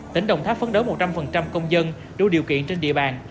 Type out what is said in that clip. tỉnh đồng tháp phấn đối một trăm linh công dân đủ điều kiện trên địa bàn